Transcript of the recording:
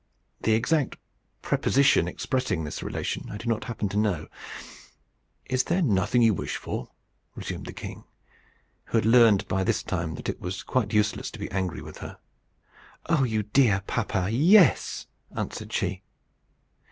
The exact preposition expressing this relation I do not happen to know. "Is there nothing you wish for?" resumed the king, who had learned by this time that it was quite useless to be angry with her. "Oh, you dear papa! yes," answered she.